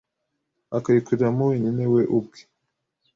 akayikoreramo wenyine we ubwe